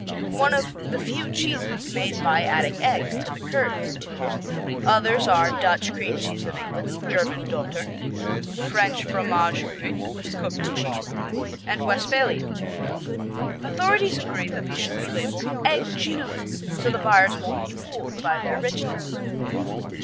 One of the few cheeses made by adding eggs to the curds. Others are Dutch Cream Cheese of England; German Dotter; French Fromage Cuit (cooked cheese), and Westphalian. Authorities agree that these should be labeled "egg cheese" so the buyers won't be fooled by their richness.